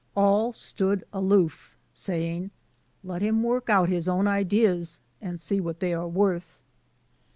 AH stood aloof, saying: *' Let him work out his own ideas, and see what they are worth."